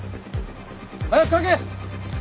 早く書け！